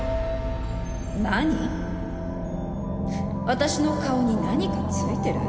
私の顔に何かついてる？